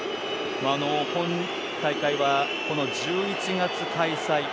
今大会は１１月開催。